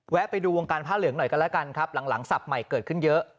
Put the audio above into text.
ไปดูวงการผ้าเหลืองหน่อยกันแล้วกันครับหลังศัพท์ใหม่เกิดขึ้นเยอะ